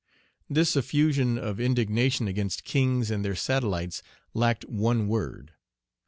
This effusion of indignation against "kings and their satellites" lacked one word.